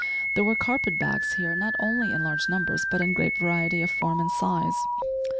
There were carpet bags here not only in large numbers but in great variety of form and size.